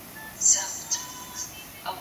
دا ځمکه څه بالا لس جريبه ده باره موږ واخيسته